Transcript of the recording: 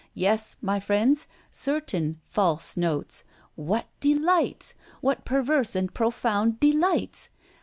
Yes, my friends, certain false notes. What delights! What perverse and profound delights!